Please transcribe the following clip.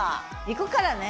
いくからね。